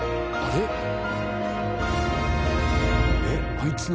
あいつの？